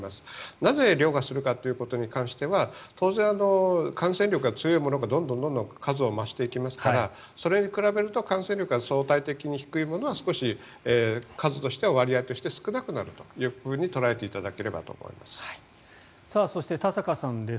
なぜ、凌駕するかということに関しては当然、感染力が強いものはどんどん数を増していきますからそれに比べると感染力が相対的に低いものは少し数としては割合として少なくなるというふうに捉えていただければと思います。